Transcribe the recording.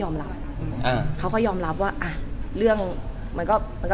เหมือนนางก็เริ่มรู้แล้วเหมือนนางก็เริ่มรู้แล้ว